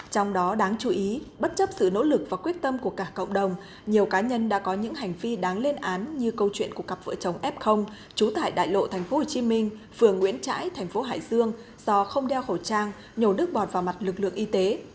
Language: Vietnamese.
trong đó đáng chú ý bất chấp sự nỗ lực và quyết tâm của cả cộng đồng nhiều cá nhân đã có những hành vi đáng lên án như câu chuyện của cặp vợ chồng f trú tại đại lộ tp hcm phường nguyễn trãi thành phố hải dương do không đeo khẩu trang nhồi nước bọt vào mặt lực lượng y tế